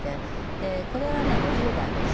でこれはね５０代です。